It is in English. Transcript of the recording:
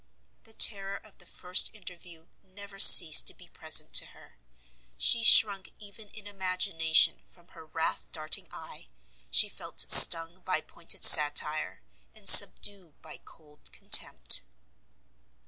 The terror of the first interview never ceased to be present to her; she shrunk even in imagination from her wrath darting eye, she felt stung by pointed satire, and subdued by cold contempt.